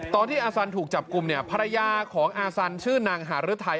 ตอนที่อาสันถูกจับกลุ่มเนี่ยภรรยาของอาสันชื่อนางหารือไทย